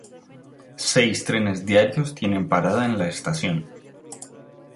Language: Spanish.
Seis trenes diarios tienen parada en la estación.